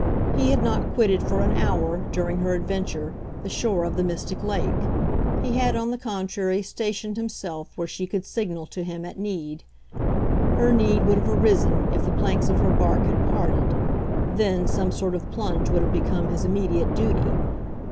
He had not quitted for an hour, during her adventure, the shore of the mystic lake; he had on the contrary stationed himself where she could signal to him at need. Her need would have arisen if the planks of her bark had parted THEN some sort of plunge would have become his immediate duty.